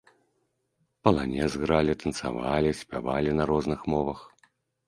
Паланез гралі, танцавалі, спявалі на розных мовах.